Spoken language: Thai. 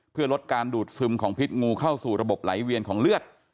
เพื่อลดการดูดซึมของพิษงูเข้าสู่ระบบไหลเวียนของเลือด